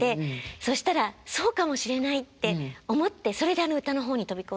そしたらそうかもしれないって思ってそれで歌の方に飛び込んでいったんです。